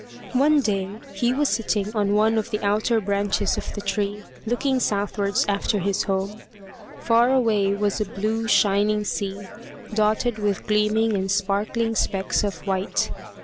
One day he was sitting on one of the outer branches of the tree, looking southwards after his home. Far away was a blue shining sea, dotted with gleaming and sparkling specks of white.